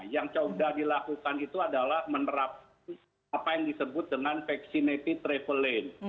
yang sudah dilakukan itu adalah menerapkan apa yang disebut dengan vaccinated travel lane